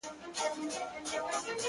o خو مخته دي ځان هر ځلي ملنگ در اچوم.